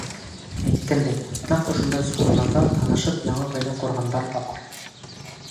Әйткәндәй, нәҡ ошондай сараларҙа танышып яңы ғаилә ҡорғандар ҙа бар.